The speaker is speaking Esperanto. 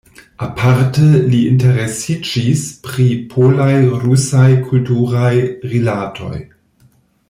Aparte li interesiĝis pri polaj-rusaj kulturaj rilatoj.